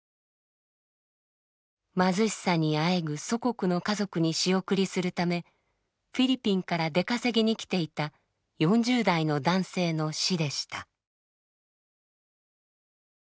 貧しさにあえぐ祖国の家族に仕送りするためフィリピンから出稼ぎに来ていた４０代の男性の死でした。